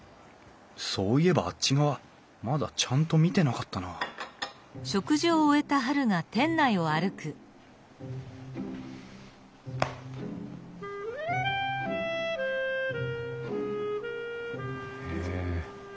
そういえばあっち側まだちゃんと見てなかったなあへえ。